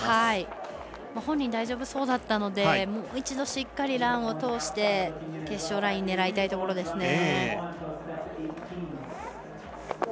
本人、大丈夫そうだったのでもう一度しっかりランを通して決勝ライン狙いたいところです。